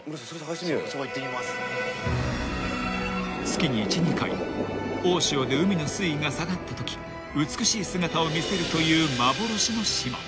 ［月に１２回大潮で海の水位が下がったとき美しい姿を見せるという幻の島］